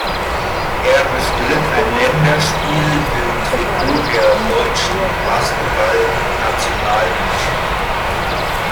Er bestritt ein Länderspiel im Trikot der deutschen Basketballnationalmannschaft.